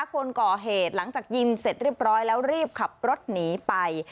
คนก่อเหตุหลังจากยิงเสร็จเรียบร้อยแล้วรีบขับรถหนีไป